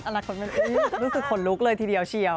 รู้สึกขนลุกเลยทีเดียวเฉียว